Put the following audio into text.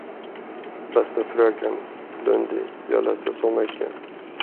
Bästa fröken Lundin, jag läser så mycket.